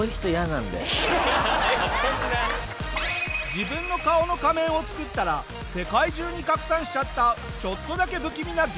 自分の顔の仮面を作ったら世界中に拡散しちゃったちょっとだけ不気味な激